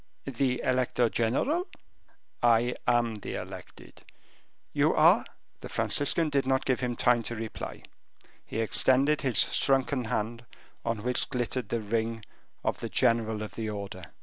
"The elector general?" "I am the elected." "You are " The Franciscan did not give him time to reply; he extended his shrunken hand, on which glittered the ring of the general of the order.